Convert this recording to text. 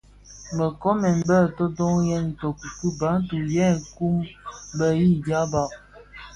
Bë nkoomèn bë tōtōghèn itoki ki bantu yè nkun, bë yii dyaba,